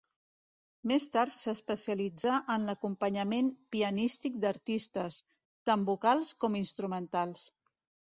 Més tard s'especialitzà en l'acompanyament pianístic d'artistes, tant vocals com instrumentals.